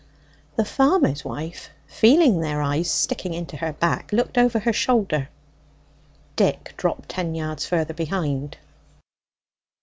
The farmer's wife, feeling their eyes sticking into her back, looked over her shoulder. Dick dropped ten yards further behind.